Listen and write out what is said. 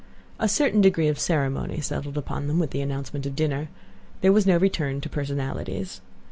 A certain degree of ceremony settled upon them with the announcement of dinner. There was no return to personalities.